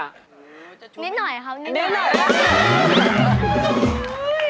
นิ่นหน่อยครับ